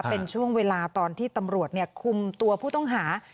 เป็นช่วงเวลาตอนที่ตำรวจคุมตัวผู้ต้องหา